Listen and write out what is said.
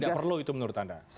tidak perlu itu menurut anda